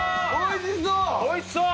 おいしそう！